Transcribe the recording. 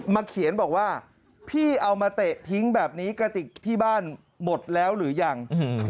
เขียนบอกว่าพี่เอามาเตะทิ้งแบบนี้กระติกที่บ้านหมดแล้วหรือยัง